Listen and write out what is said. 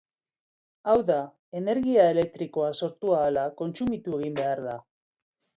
Hau da, energia elektrikoa, sortu ahala, kontsumitu egin behar da.